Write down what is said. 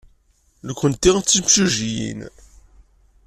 Nekkenti d timsujjiyin.